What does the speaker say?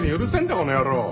この野郎！